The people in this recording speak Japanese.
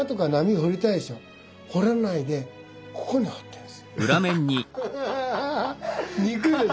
彫らないでここに彫ってるんですよ。